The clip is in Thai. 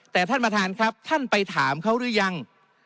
แต่ท่านประธานครับท่านไปถามเขาหรือยัง